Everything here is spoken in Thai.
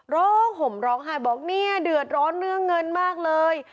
ห่มร้องไห้บอกเนี่ยเดือดร้อนเรื่องเงินมากเลย